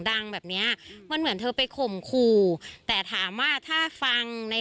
ดังแบบเนี้ยมันเหมือนเธอไปข่มขู่แต่ถามว่าถ้าฟังใน